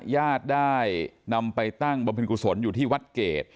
ญาติได้นำไปตั้งบำเพ็ญกุศลอยู่ที่วัดเกรด